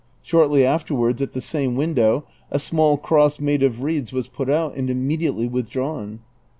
Shortly afterwards at the same window a small cross made of reeds was put out and iuuuediately withdrawn.